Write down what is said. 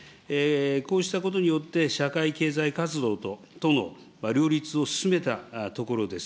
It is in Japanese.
こうしたことによって、社会経済活動との両立を進めたところです。